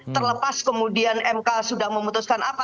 terlepas kemudian mk sudah memutuskan apa